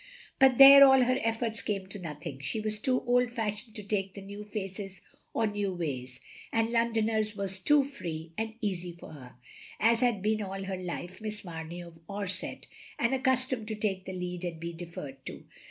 "But there, all her efforts came to nothing. She was too old fashioned to take to new faces or new ways, and Londoners was too free and easy for her, as had been all her life Miss Mamey of Orsett, and accustomed to take the lead and be deferred to.